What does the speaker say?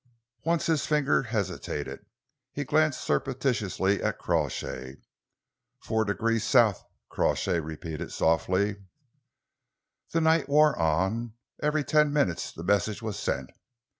Once his finger hesitated. He glanced surreptitiously at Crawshay. "Four degrees south," Crawshay repeated softly. The night wore on. Every ten minutes the message was sent.